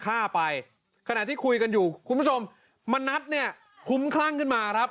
ฆ่าไปขณะที่คุยกันอยู่คุณผู้ชมมณัฐเนี่ยคุ้มคลั่งขึ้นมาครับ